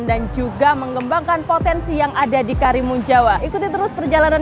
dan juga mengembangkan potensi jawa tengah yang memiliki keberagaman